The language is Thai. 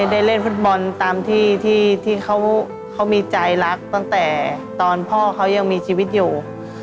ได้เล่นฟุตบอลตามที่เขามีใจรักตั้งแต่ตอนพ่อเขายังมีชีวิตอยู่